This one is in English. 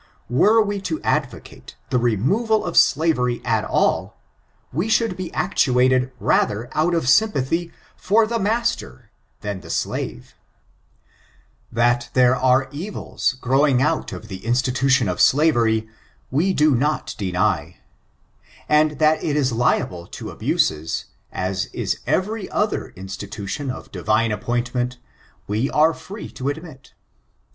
Were we to advocate the removal of slavery at all, we should be actuated rather out of sympathy for the master than the slave. ^^^^^^^^*M^^^ 422 ORIGIN, CHARACTER, AND That there are evils growing out of the institution of slavery, we do not deny ; and that it is liable to abuses, as is every other institution of Divine appoint ment, we are free to admit.